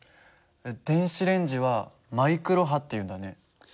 電子レンジはマイクロ波っていうんだね。